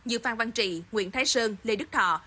như phan văn trị nguyễn thái sơn lê đức thọ